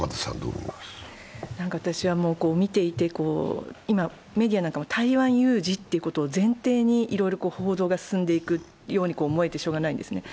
私は見ていて、今、メディアなんかも台湾有事ということを前提にいろいろと報道が進んでいくように思えてしようがないんですね。